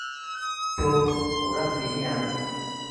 তো, ওরা ফিরিয়ে আনো।